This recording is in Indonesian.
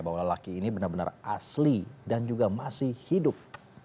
bahwa lelaki ini benar benar asli dan juga masih hidup